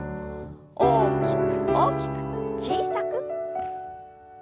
大きく大きく小さく。